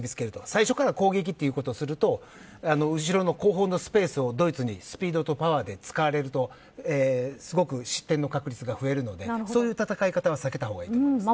最初から攻撃をすると後ろのスペースをドイツにスピードとパワーで使われると失点の確率が増えるのでそういう戦い方は避けた方がいいです。